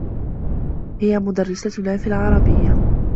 هي مدرّستنا في العربيّة.